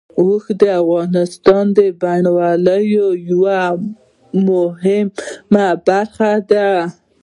اوښ د افغانستان د بڼوالۍ یوه مهمه برخه ده.